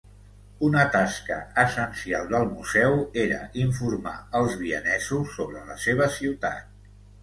Una tasca essencial del museu era informar els vienesos sobre la seva ciutat.